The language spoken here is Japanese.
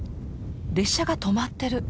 列車が止まってる。